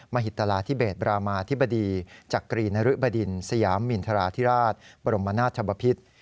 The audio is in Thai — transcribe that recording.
มหิตลาธิเบธบรามาธิบดีจักรีนะรึบดินสยามมินธราธิราชบรมบาณาธทศวรรภิษภ์